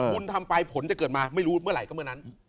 บุญทำไปผลจะเกิดมาไม่รู้เมื่อไหร่ก็เมื่อนั้น